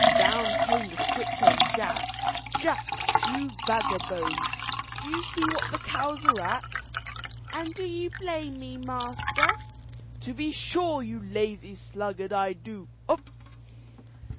Down came the switch on Jack. "Jack, you vagabone, do you see what the cows are at?" "And do you blame, master?" "To be sure, you lazy sluggard, I do?"